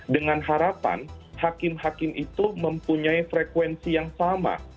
dengan harapan hakim hakim itu mempunyai frekuensi yang sama